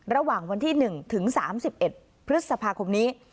ระหว่างวันที่๑ถึง๓๑พฤษภาคมนี้